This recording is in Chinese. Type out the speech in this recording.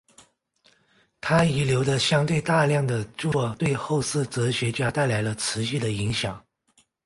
他遗留的相对大量的着作对后世哲学家带来了持续的影响。